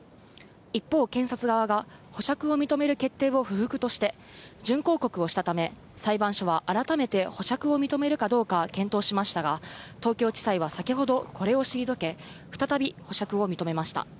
一方、検察側が保釈を認める決定を不服として、準抗告をしたため、裁判所は改めて保釈を認めるかどうか検討しましたが、東京地裁は先ほど、これを退け、再び保釈を認めました。